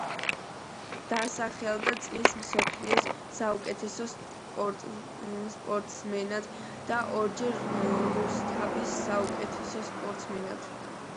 დასახელდა წლის მსოფლიოს საუკეთესო სპორტსმენად და ორჯერ რუსეთის საუკეთესო სპორტსმენად.